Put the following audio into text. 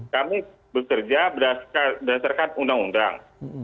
kami bekerja berdasarkan undang undang